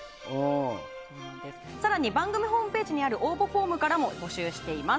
更に番組ホームページにある応募フォームからも募集しております。